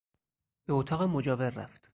به اتاق مجاور رفت.